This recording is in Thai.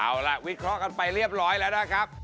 เอาล่ะวิเคราะห์กันไปเรียบร้อยแล้วนะครับ